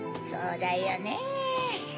そうだよねぇ。